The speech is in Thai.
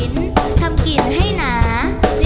ยังเพราะความสำคัญ